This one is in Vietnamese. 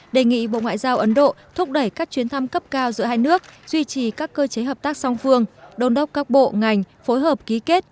đề nghị bộ ngoại giao ấn độ thúc đẩy các chuyến thăm cấp cao giữa hai nước duy trì các cơ chế hợp tác song phương đôn đốc các bộ ngành phối hợp ký kết